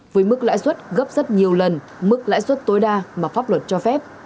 với mức lãi suất gấp rất nhiều lần mức lãi suất tối đa mà pháp luật cho phép